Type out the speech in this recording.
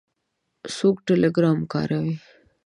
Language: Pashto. څوک ټیلیګرام کاروي؟